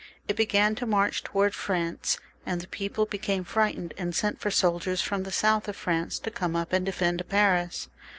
It began to march towards France, and the people became frightened and sent for soldiers from the south of France to come up and defend Paris.